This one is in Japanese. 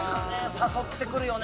誘ってくるよね。